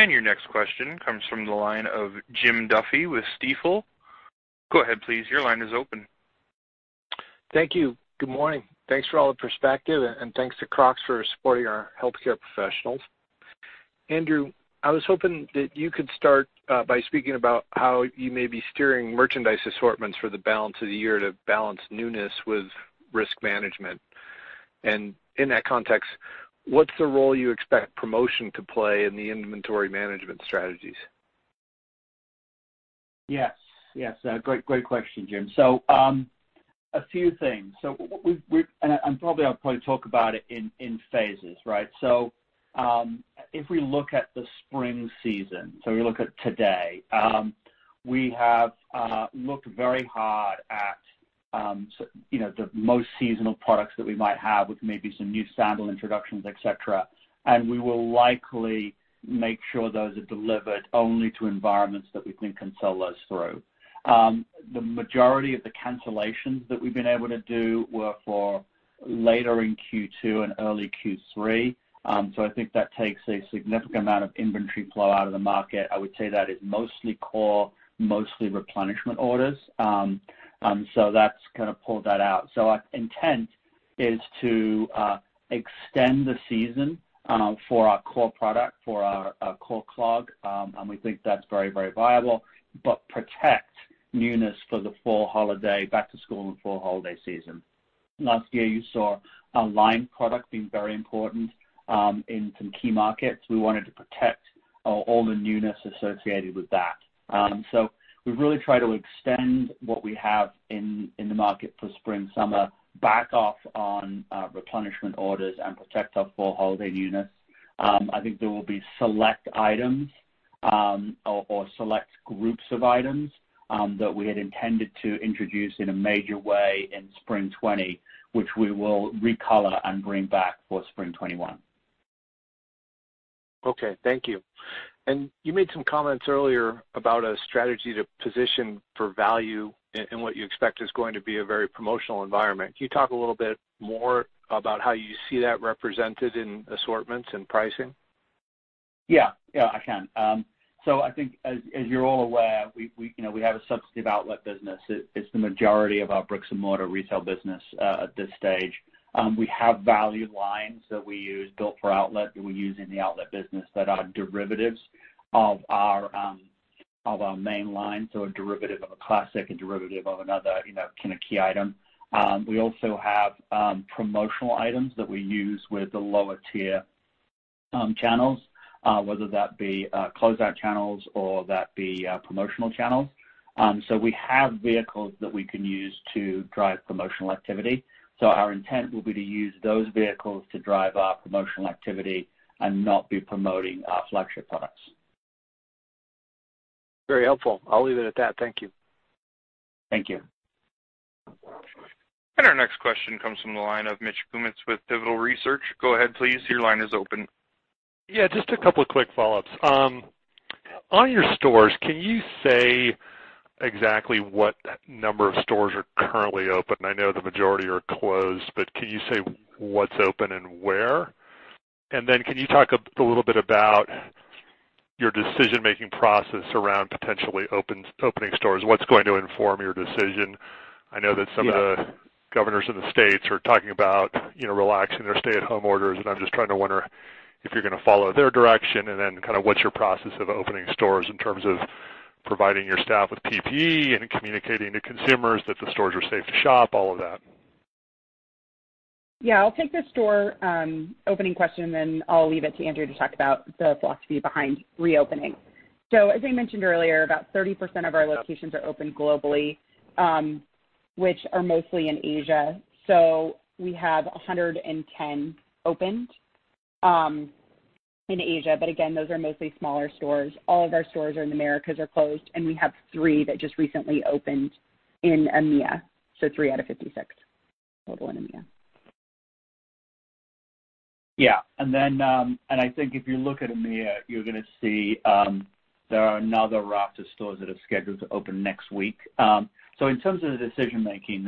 Your next question comes from the line of Jim Duffy with Stifel. Go ahead, please. Your line is open. Thank you. Good morning. Thanks for all the perspective, thanks to Crocs for supporting our healthcare professionals. Andrew, I was hoping that you could start by speaking about how you may be steering merchandise assortments for the balance of the year to balance newness with risk management. In that context, what's the role you expect promotion to play in the inventory management strategies? Yes. Great question, Jim. A few things. Probably I'll talk about it in phases, right? If we look at the spring season, so we look at today. We have looked very hard at the most seasonal products that we might have with maybe some new sandal introductions, et cetera. We will likely make sure those are delivered only to environments that we think can sell those through. The majority of the cancellations that we've been able to do were for later in Q2 and early Q3. I think that takes a significant amount of inventory flow out of the market. I would say that is mostly core, mostly replenishment orders. That's kind of pulled that out. Our intent is to extend the season for our core product, for our core clog. We think that's very viable, but protect newness for the fall holiday, back to school and fall holiday season. Last year you saw a line product being very important in some key markets. We wanted to protect all the newness associated with that. We really try to extend what we have in the market for spring-summer, back off on replenishment orders and protect our fall holiday newness. I think there will be select items or select groups of items that we had intended to introduce in a major way in spring 2020, which we will recolor and bring back for spring 2021. Okay. Thank you. You made some comments earlier about a strategy to position for value in what you expect is going to be a very promotional environment. Can you talk a little bit more about how you see that represented in assortments and pricing? Yeah, I can. I think as you're all aware, we have a substantive outlet business. It's the majority of our bricks and mortar retail business at this stage. We have value lines that we use built for outlet that we use in the outlet business that are derivatives of our main line. A derivative of a classic, a derivative of another kind of key item. We also have promotional items that we use with the lower tier channels, whether that be closeout channels or that be promotional channels. We have vehicles that we can use to drive promotional activity. Our intent will be to use those vehicles to drive our promotional activity and not be promoting our flagship products. Very helpful. I'll leave it at that. Thank you. Thank you. Our next question comes from the line of Mitch Kummetz with Pivotal Research. Go ahead please, your line is open. Yeah. Just a couple of quick follow-ups. On your stores, can you say exactly what number of stores are currently open? I know the majority are closed, but can you say what's open and where? Can you talk a little bit about your decision-making process around potentially opening stores? What's going to inform your decision? I know that some of the governors of the states are talking about relaxing their stay-at-home orders, and I'm just trying to wonder if you're going to follow their direction, and then what's your process of opening stores in terms of providing your staff with PPE and communicating to consumers that the stores are safe to shop, all of that. Yeah. I'll take the store opening question, and then I'll leave it to Andrew to talk about the philosophy behind reopening. As I mentioned earlier, about 30% of our locations are open globally, which are mostly in Asia. We have 110 opened in Asia. Again, those are mostly smaller stores. All of our stores in the Americas are closed, and we have that that just recently opened in EMEA. 3 out of 56 total in EMEA. Yeah. I think if you look at EMEA, you're going to see there are another raft of stores that are scheduled to open next week. In terms of the decision-making,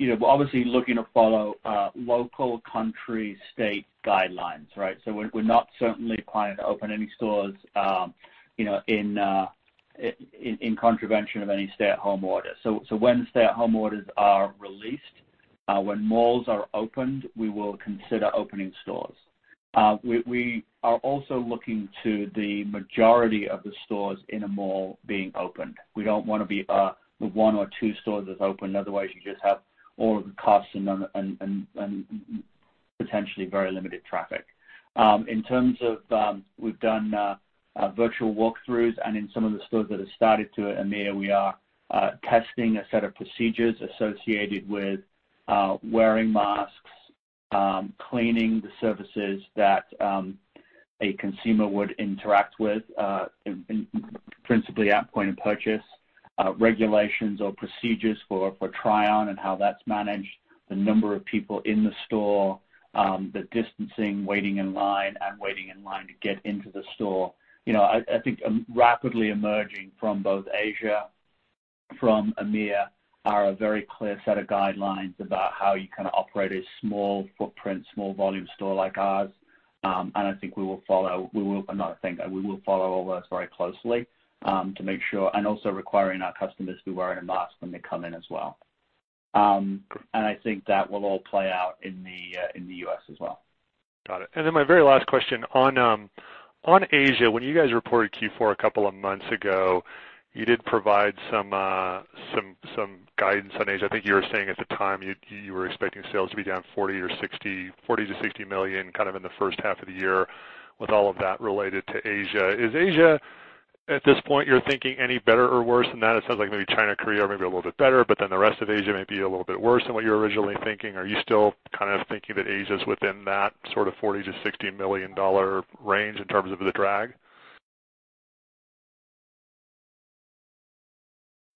we're obviously looking to follow local country state guidelines, right? We're not certainly planning to open any stores in contravention of any stay-at-home order. When the stay-at-home orders are released, when malls are opened, we will consider opening stores. We are also looking to the majority of the stores in a mall being opened. We don't want to be the one or two stores that's open. Otherwise, you just have all of the costs and potentially very limited traffic. In terms of, we've done virtual walkthroughs, and in some of the stores that have started to in EMEA, we are testing a set of procedures associated with wearing masks, cleaning the surfaces that a consumer would interact with, principally at point of purchase, regulations or procedures for try on and how that's managed, the number of people in the store, the distancing, waiting in line, and waiting in line to get into the store. I think rapidly emerging from both Asia, from EMEA, are a very clear set of guidelines about how you operate a small footprint, small volume store like ours. I think we will follow all those very closely to make sure. Also requiring our customers to be wearing a mask when they come in as well. I think that will all play out in the U.S., as well. Got it. My very last question. On Asia, when you guys reported Q4 a couple of months ago, you did provide some guidance on Asia. I think you were saying at the time, you were expecting sales to be down $40 million-$60 million kind of in the first half of the year with all of that related to Asia. Is Asia, at this point, you're thinking any better or worse than that? It sounds like maybe China, Korea may be a little bit better, but then the rest of Asia may be a little bit worse than what you were originally thinking. Are you still kind of thinking that Asia is within that sort of $40 million-$60 million range in terms of the drag?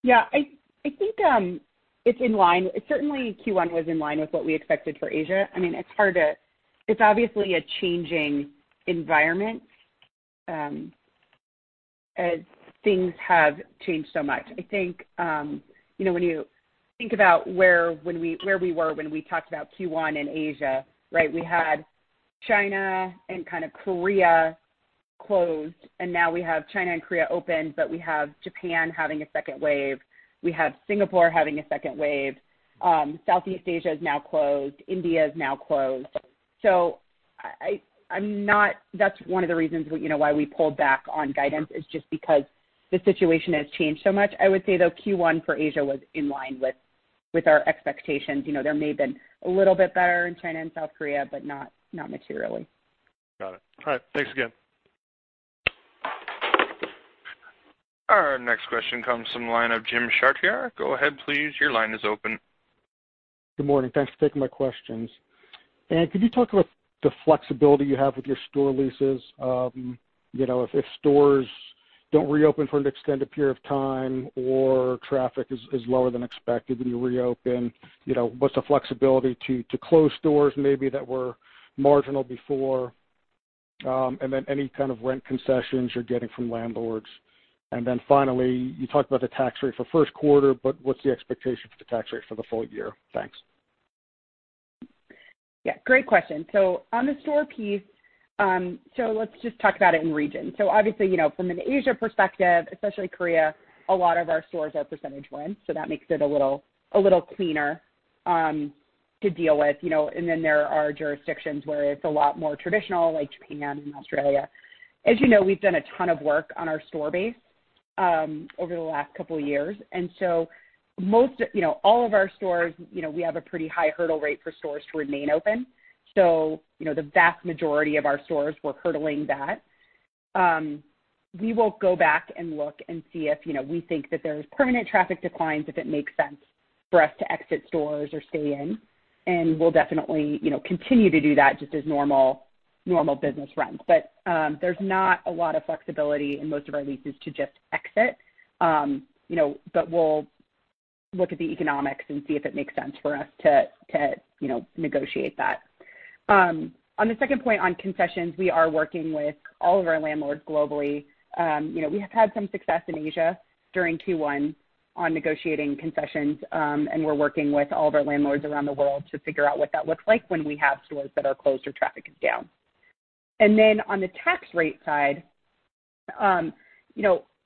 Yeah. I think it's in line. Certainly Q1 was in line with what we expected for Asia. It's obviously a changing environment, as things have changed so much. I think when you think about where we were when we talked about Q1 in Asia, right, we had China and kind of Korea closed. Now we have China and Korea opened. We have Japan having a second wave. We have Singapore having a second wave. Southeast Asia is now closed. India is now closed. That's one of the reasons why we pulled back on guidance, is just because the situation has changed so much. I would say, though, Q1 for Asia was in line with our expectations. There may have been a little bit better in China and South Korea. Not materially. Got it. All right. Thanks again. Our next question comes from the line of Jim Chartier. Go ahead please, your line is open. Good morning. Thanks for taking my questions. Anne, could you talk about the flexibility you have with your store leases? If stores don't reopen for an extended period of time or traffic is lower than expected when you reopen, what's the flexibility to close stores maybe that were marginal before? Any kind of rent concessions you're getting from landlords? Finally, you talked about the tax rate for first quarter, what's the expectation for the tax rate for the full year? Thanks. Yeah, great question. On the store piece, let's just talk about it in regions. Obviously, from an Asia perspective, especially Korea, a lot of our stores are percentage rent, so that makes it a little cleaner to deal with. There are jurisdictions where it's a lot more traditional, like Japan and Australia. As you know, we've done a ton of work on our store base over the last couple of years. All of our stores, we have a pretty high hurdle rate for stores to remain open. The vast majority of our stores were hurdling that. We will go back and look and see if we think that there's permanent traffic declines, if it makes sense for us to exit stores or stay in, and we'll definitely continue to do that just as normal business runs. There's not a lot of flexibility in most of our leases to just exit. We'll look at the economics and see if it makes sense for us to negotiate that. On the second point on concessions, we are working with all of our landlords globally. We have had some success in Asia during Q1 on negotiating concessions, and we're working with all of our landlords around the world to figure out what that looks like when we have stores that are closed or traffic is down. On the tax rate side,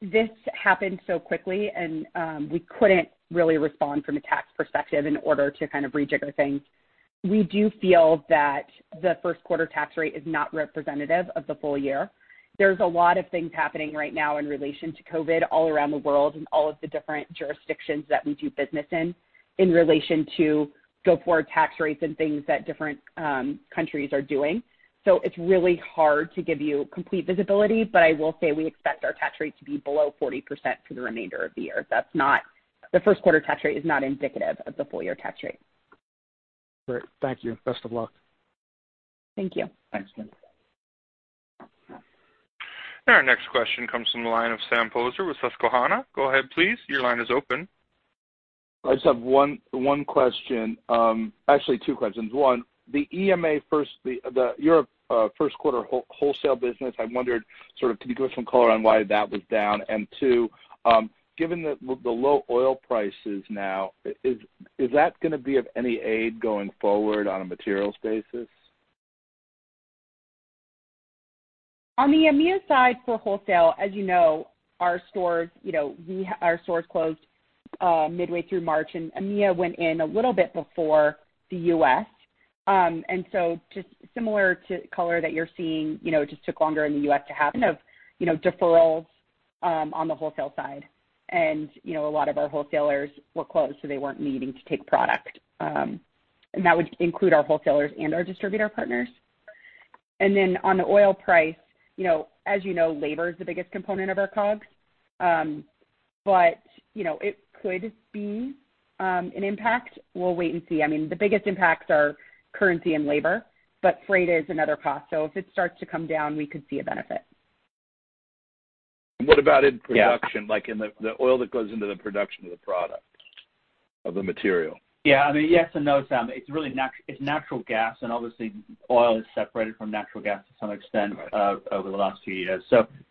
this happened so quickly, and we couldn't really respond from a tax perspective in order to kind of rejigger things. We do feel that the first quarter tax rate is not representative of the full year. There's a lot of things happening right now in relation to COVID all around the world and all of the different jurisdictions that we do business in relation to go-forward tax rates and things that different countries are doing. It's really hard to give you complete visibility, but I will say we expect our tax rate to be below 40% for the remainder of the year. The first quarter tax rate is not indicative of the full-year tax rate. Great. Thank you. Best of luck. Thank you. Thanks Jim. Our next question comes from the line of Sam Poser with Susquehanna. Go ahead, please. Your line is open. I just have one question. Actually, two questions. One, the Europe first quarter wholesale business, I wondered sort of can you give us some color on why that was down? Two, given the low oil prices now, is that going to be of any aid going forward on a materials basis? On the EMEA side for wholesale, as you know, our stores closed midway through March. EMEA went in a little bit before the U.S.,. Just similar to color that you're seeing, just took longer in the U.S., to have kind of deferrals on the wholesale side. A lot of our wholesalers were closed, so they weren't needing to take product. That would include our wholesalers and our distributor partners. On the oil price, as you know, labor is the biggest component of our COGS. It could be an impact. We'll wait and see. I mean, the biggest impacts are currency and labor. Freight is another cost. If it starts to come down, we could see a benefit. What about in production? Yeah. Like in the oil that goes into the production of the product, of the material. I mean, yes and no, Sam. It's natural gas, and obviously oil is separated from natural gas to some extent. Right over the last few years.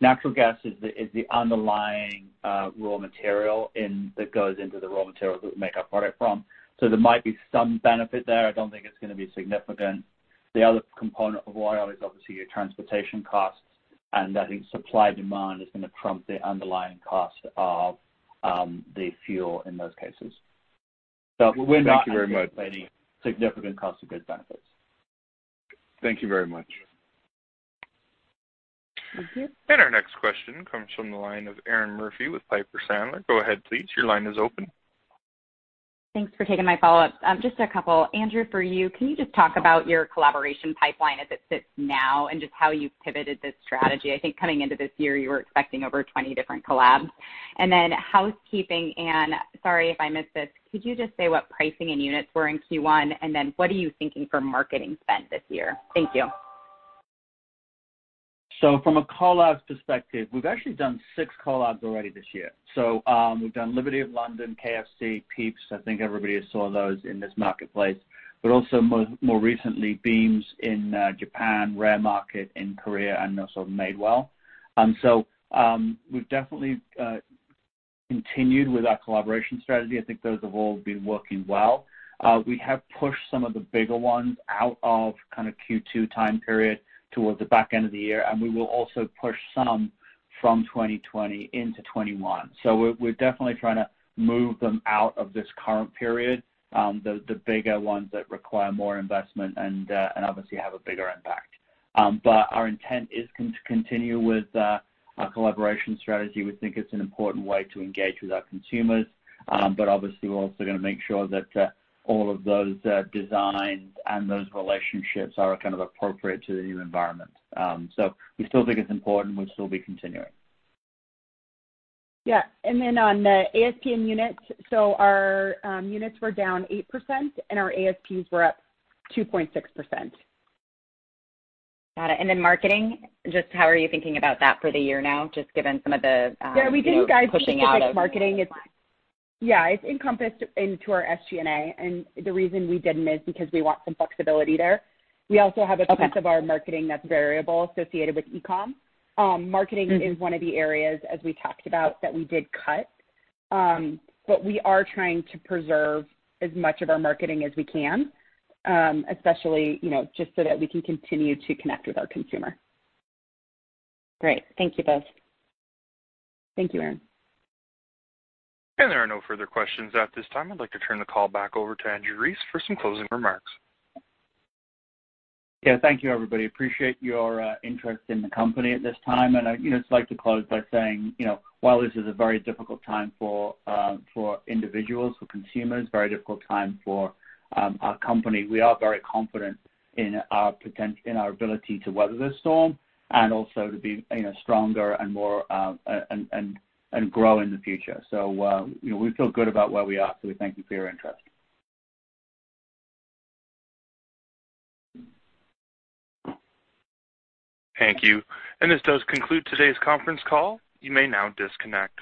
Natural gas is the underlying raw material that goes into the raw material that we make our product from. There might be some benefit there. I don't think it's going to be significant. The other component of oil is obviously your transportation costs, and I think supply-demand is going to trump the underlying cost of the fuel in those cases. Thank you very much. anticipating significant cost of goods benefits. Thank you very much. Thank you. Our next question comes from the line of Erinn Murphy with Piper Sandler. Go ahead, please. Your line is open. Thanks for taking my follow-up. Just a couple. Andrew, for you, can you just talk about your collaboration pipeline as it sits now and just how you pivoted the strategy? I think coming into this year, you were expecting over 20 different collabs. Housekeeping, Anne, sorry if I missed this, could you just say what pricing and units were in Q1, and then what are you thinking for marketing spend this year? Thank you. From a collabs perspective, we've actually done six collabs already this year. We've done Liberty of London, KFC, Peeps. I think everybody has saw those in this marketplace. Also more recently, Beams in Japan, Rare Market in Korea, and also Madewell. We've definitely continued with our collaboration strategy. I think those have all been working well. We have pushed some of the bigger ones out of Q2 time period towards the back end of the year, and we will also push some from 2020 into 2021. We're definitely trying to move them out of this current period, the bigger ones that require more investment and obviously have a bigger impact. Our intent is to continue with our collaboration strategy. We think it's an important way to engage with our consumers. Obviously, we're also going to make sure that all of those designs and those relationships are kind of appropriate to the new environment. We still think it's important. We'll still be continuing. Yeah. On the ASP and units, our units were down 8%, and our ASPs were up 2.6%. Got it. Marketing, just how are you thinking about that for the year now, just given some of the. Yeah, we didn't guide. pushing out of- marketing. Yeah, it's encompassed into our SG&A. The reason we didn't is because we want some flexibility there. Okay. We also have a piece of our marketing that's variable associated with e-com. Marketing is one of the areas, as we talked about, that we did cut. We are trying to preserve as much of our marketing as we can, especially just so that we can continue to connect with our consumer. Great. Thank you both. Thank you, Erinn. There are no further questions at this time. I'd like to turn the call back over to Andrew Rees for some closing remarks. Yeah. Thank you, everybody. Appreciate your interest in the company at this time. I just like to close by saying, while this is a very difficult time for individuals, for consumers, very difficult time for our company, we are very confident in our ability to weather this storm and also to be stronger and grow in the future. We feel good about where we are, so we thank you for your interest. Thank you. This does conclude today's conference call. You may now disconnect.